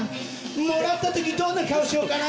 もらった時どんな顔しようかな？